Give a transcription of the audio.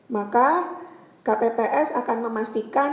maka kpps akan memastikan